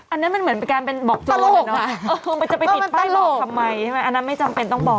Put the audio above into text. อันนั้นมันเหมือนเป็นการเป็นบอกจุดรถเนอะมันจะไปติดป้ายบอกทำไมใช่ไหมอันนั้นไม่จำเป็นต้องบอก